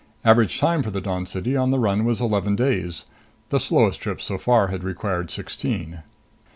Average time for the Dawn City on the run was eleven days; the slowest trip so far had required sixteen.